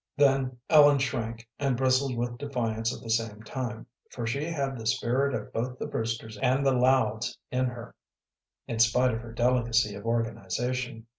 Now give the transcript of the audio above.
Then Ellen shrank, and bristled with defiance at the same time, for she had the spirit of both the Brewsters and the Louds in her, in spite of her delicacy of organization.